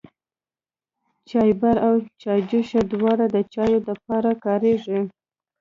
چايبر او چايجوشه دواړه د چايو د پاره کاريږي.